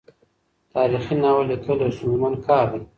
تاریخي ناول لیکل یو ستونزمن کار دی.